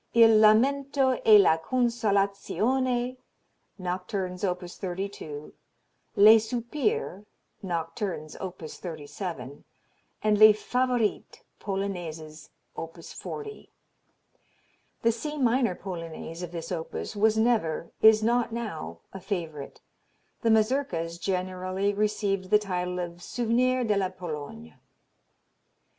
II Lamento e la Consolazione, Nocturnes, op. 32; Les Soupirs, Nocturnes, op. 37, and Les Favorites, Polonaises, op. 40. The C minor Polonaise of this opus was never, is not now, a favorite. The mazurkas generally received the title of Souvenir de la Pologne.